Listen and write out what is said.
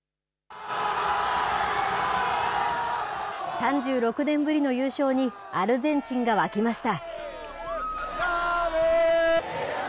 ３６年ぶりの優勝に、アルゼンチンが沸きました。